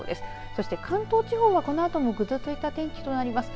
そして関東地方は、このあともぐずついた天気となります。